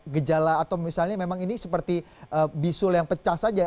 gejala atau misalnya memang ini seperti bisul yang pecah saja